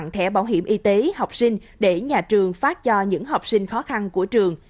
tặng thẻ bảo hiểm y tế học sinh để nhà trường phát cho những học sinh khó khăn của trường